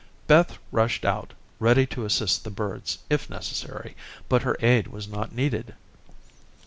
Beth rushed out, ready to assist the birds, if necessary, but her aid was not needed.